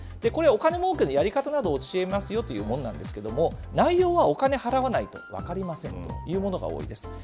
これ、お金もうけのやり方などを教えますよというものなんですけれども、内容はお金払わないと分かりませんというものが多いです。